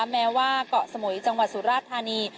แม้ว่าเกาะสมุยจังหวัดสุราธานี